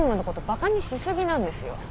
バカにしすぎなんですよ。